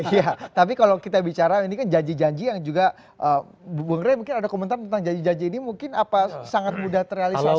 iya tapi kalau kita bicara ini kan janji janji yang juga bung rey mungkin ada komentar tentang janji janji ini mungkin apa sangat mudah terrealisasi